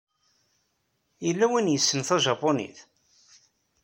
Yella win ay yessnen tajapunit?